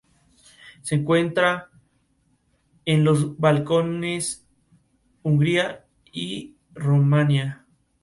Además, actuó en la película "Wonder Wheel", la cual fue dirigida por Woody Allen.